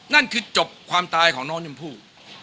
นั่นคือจบความตายของน้องชมพู่